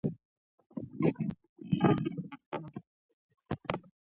د چین شینزو لونوي بایوساینس تحقیقاتي لابراتوار ادعا